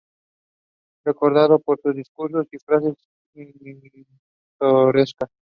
Recordado por sus discursos y frases pintorescas.